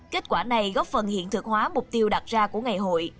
kết quả này góp phần hiện thực hóa mục tiêu đặt ra của ngày hội